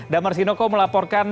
damar sinoko melaporkan